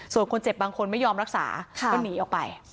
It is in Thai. ส่วนคนเจ็บบางคนไม่ยอมรักษาก็หนีออกไป